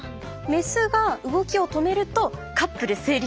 メスが動きを止めるとカップル成立。